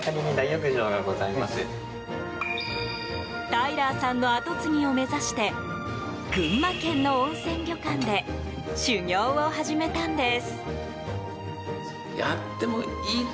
タイラーさんの後継ぎを目指して群馬県の温泉旅館で修業を始めたんです。